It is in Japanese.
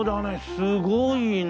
すごいね。